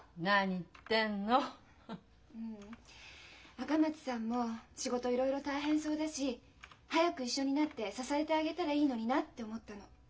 赤松さんも仕事いろいろ大変そうだし早く一緒になって支えてあげたらいいのになって思ったの。